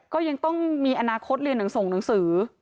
ก็ยังต้องมีอนาคตเรียนหนังสือ